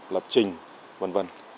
lập trình v v